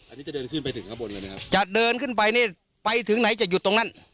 อันนี้จะเดินขึ้นไปถึงข้างบนเลยนะครับจะเดินขึ้นไปนี่ไปถึงไหนจะหยุดตรงนั้น